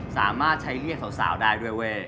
สามารถใช้เรียกสาวได้ด้วยเว้ย